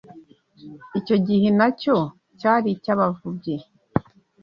Icyo gihugu nacyo cyari icy’Abavubyi